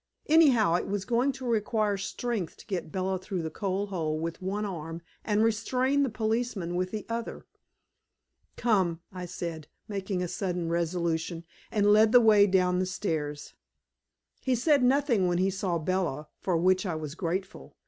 Anyhow, it was going to require strength to get Bella through the coal hole with one arm and restrain the policeman with the other. "Come," I said, making a sudden resolution, and led the way down the stairs. He said nothing when he saw Bella, for which I was grateful.